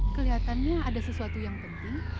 kelihatannya ada sesuatu yang penting